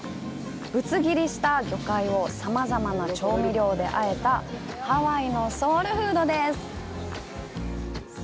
ぶつ切りした魚介をさまざまな調味料であえたハワイのソウルフードです。